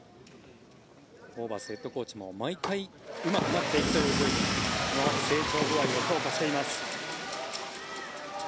ホーバスヘッドコーチも毎回、うまくなっていくと成長具合を評価しています。